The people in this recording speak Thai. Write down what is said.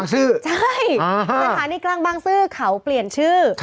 ใช่สถานีกลางบางซื่อเขาเปลี่ยนชื่อ